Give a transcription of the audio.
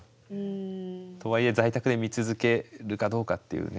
とはいえ在宅で見続けるかどうかっていうね。